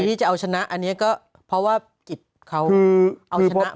ที่จะเอาชนะอันนี้ก็เพราะว่ากิจเขาเอาชนะ